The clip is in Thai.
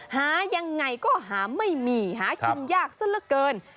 หายังไงก็หาไม่มีหากินยากซะละเกิน